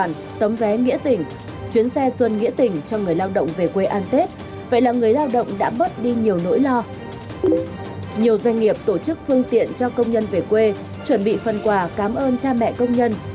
nhiều doanh nghiệp tổ chức phương tiện cho công nhân về quê chuẩn bị phần quà cảm ơn cha mẹ công nhân